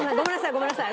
ごめんなさい。